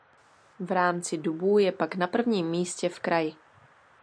V rámci dubů je pak na prvním místě v kraji.